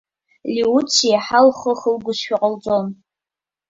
Лиуциа иаҳа лхы ахылгозшәа ҟалҵон.